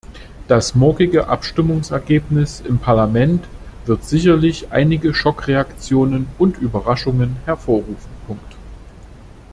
Das morgige Abstimmungsergebnis im Parlament wird sicherlich einige Schockreaktionen und Überraschungen hervorrufen.